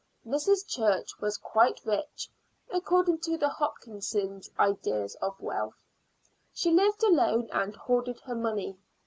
Mrs. Church was quite rich, according to the Hopkinses' ideas of wealth. She lived alone and hoarded her money.